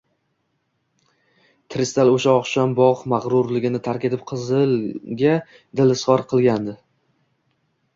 Trisdal o`sha oqshom bor mag`rurligini tark etib, qizga dil izhori qilgandi